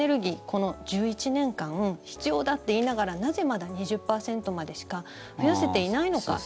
この１１年間必要だって言いながらなぜ、まだ２０％までしか増やせていないのか。